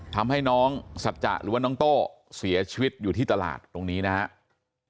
ทำให้น้องสัจจะหรือว่าน้องโต้เสียชีวิตอยู่ที่ตลาดตรงนี้นะครับ